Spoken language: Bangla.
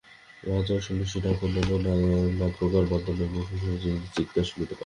রাজা ও সন্ন্যাসী ঢাক ও অন্যান্য নানাপ্রকার বাদ্যধ্বনি এবং ঘোষণাকারীদের চীৎকার শুনিতে পাইলেন।